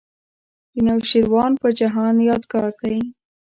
د نوشیروان په جهان یادګار دی.